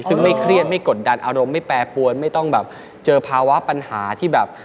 ซึ่งไม่เครียดไม่กดดันอารมณ์ไม่แปรปวนไม่ต้องแบบเจอภาวะปัญหาที่แบบ